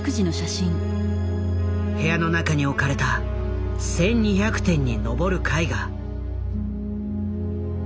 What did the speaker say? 部屋の中に置かれた１，２００点にのぼる絵画。